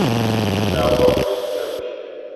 Sal Walker was the coach.